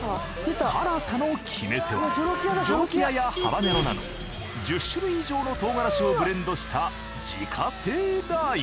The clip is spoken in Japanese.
辛さの決め手はジョロキアやハバネロなど１０種類以上の唐辛子をブレンドした自家製ラー油。